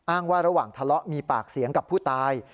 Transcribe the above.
ว่าระหว่างทะเลาะมีปากเสียงกับผู้ตาย